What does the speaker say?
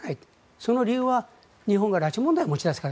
その理由は日本が拉致問題を持ち出すから。